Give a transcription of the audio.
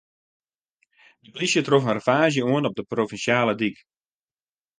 De polysje trof in ravaazje oan op de provinsjale dyk.